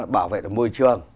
bảo vệ được môi trường